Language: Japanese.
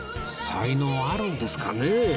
才能あるんですかねえ？